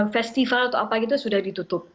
festival atau apa gitu sudah ditutup